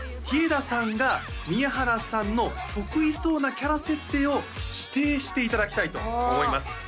稗田さんが宮原さんの得意そうなキャラ設定を指定していただきたいと思います